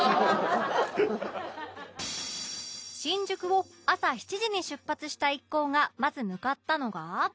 新宿を朝７時に出発した一行がまず向かったのが